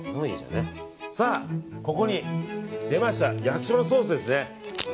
さあ、ここに、出ました焼きそばのソースですね。